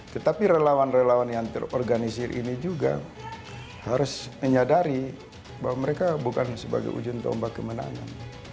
tetapi relawan relawan yang terorganisir ini juga harus menyadari bahwa mereka bukan sebagai ujung tombak kemenangan